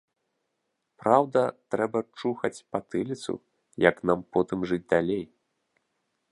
Праўда, трэба чухаць патыліцу, як нам потым жыць далей.